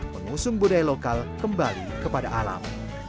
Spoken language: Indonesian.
mengusung budaya lokal kembali kepada alam